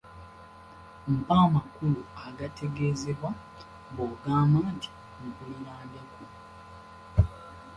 Mpa amakulu agategeezebwa bw’ogamba nti mpawula ndeku.